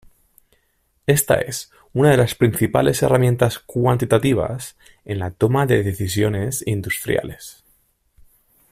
Esta es una de las principales herramientas cuantitativas en la toma de decisiones industriales.